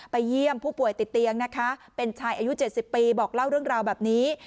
เยี่ยมผู้ป่วยติดเตียงนะคะเป็นชายอายุ๗๐ปีบอกเล่าเรื่องราวแบบนี้